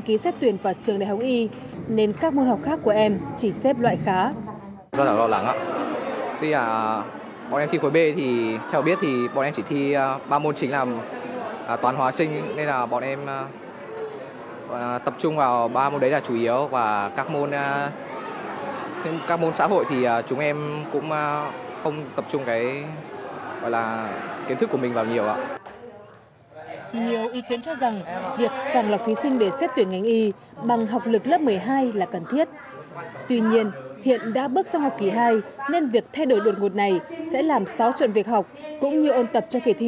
kỳ hai nên việc thay đổi đột ngột này sẽ làm xáo chuẩn việc học cũng như ôn tập cho kỳ thi